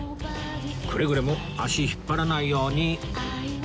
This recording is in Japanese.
くれぐれも足引っ張らないように